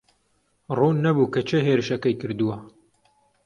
ڕوون نەبوو کە کێ هێرشەکەی کردووە.